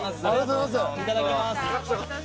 いただきます。